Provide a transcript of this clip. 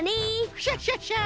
クシャシャシャ！